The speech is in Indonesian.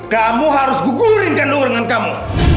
kamu harus gugurin kandungan kamu